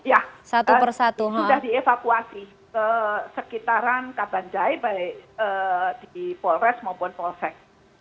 ya sudah dievakuasi ke sekitaran kabanjai baik di polres maupun polsek